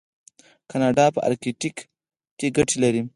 کاناډا په ارکټیک کې ګټې لري.